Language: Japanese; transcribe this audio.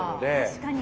確かに。